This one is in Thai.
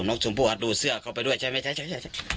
น้องชมพู่หัดดูเสื้อเขาไปด้วยใช่ไหมใช่ใช่ใช่